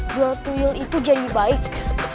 dua tuyul itu jadi baik